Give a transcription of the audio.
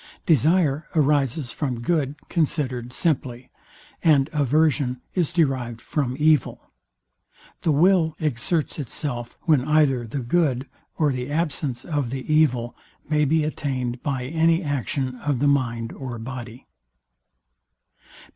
DESIRE arises from good considered simply, and AVERSION is derived from evil. The WILL exerts itself, when either the good or the absence of the evil may be attained by any action of the mind or body.